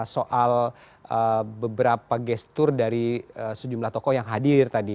soal beberapa gestur dari sejumlah tokoh yang hadir tadi